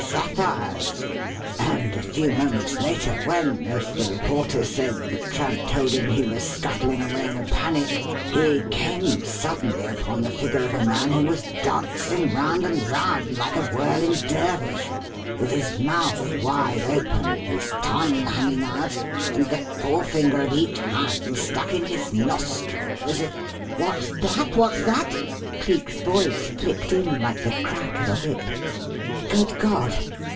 Sapphires!' and a few moments later, when, as the reporter said, the tramp told him, he was scuttling away in a panic, he came suddenly upon the figure of a man who was dancing round and round like a whirling dervish, with his mouth wide open, his tongue hanging out, and the forefinger of each hand stuck in his nostril as if " "What's that? What's that?" Cleek's voice flicked in like the crack of a whip. "Good God!